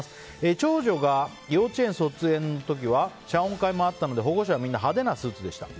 長女が幼稚園卒園の時は謝恩会もあったので保護者はみんな派手なスーツでした。